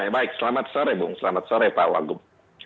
baik selamat sore bung selamat sore pak wagub